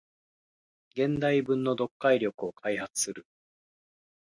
現代文の読解力を開発する